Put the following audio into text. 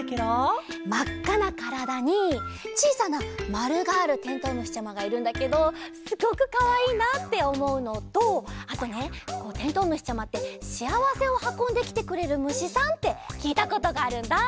まっかなからだにちいさなまるがあるてんとうむしちゃまがいるんだけどすごくかわいいなっておもうのとあとねこうてんとうむしちゃまってしあわせをはこんできてくれるむしさんってきいたことがあるんだ。